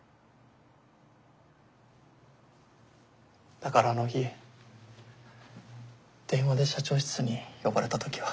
だからあの日電話で社長室に呼ばれた時は。